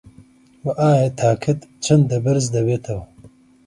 وه ئایا تاکەت چەندە بەرز دەبێتەوه